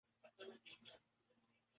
لیکن Hezbollah کبھی ہمت نہیں ہاری۔